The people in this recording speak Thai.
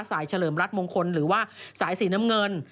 เฉลิมรัฐมงคลหรือว่าสายสีน้ำเงิน